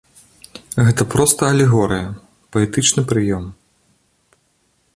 Гэта проста алегорыя, паэтычны прыём.